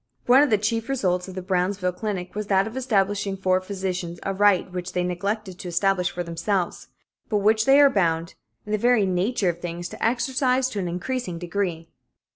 One of the chief results of the Brownsville clinic was that of establishing for physicians a right which they neglected to establish for themselves, but which they are bound, in the very nature of things, to exercise to an increasing degree.